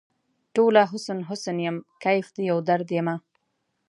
ټوله حسن ، حسن یم کیف د یوه درد یمه